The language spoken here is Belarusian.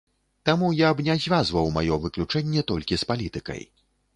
Таму я б не звязваў маё выключэнне толькі з палітыкай.